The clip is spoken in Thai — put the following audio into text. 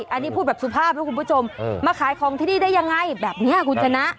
อันนี้พูดแบบสุภาพนะคุณผู้ชมมาขายของที่นี่ได้ยังไงแบบนี้คุณชนะ